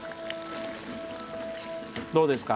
どうですか。